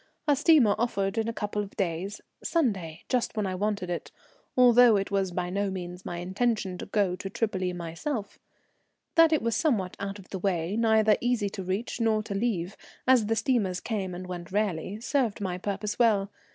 A steamer offered in a couple of days, Sunday, just when I wanted it, although it was by no means my intention to go to Tripoli myself. That it was somewhat out of the way, neither easy to reach nor to leave, as the steamers came and went rarely, served my purpose well.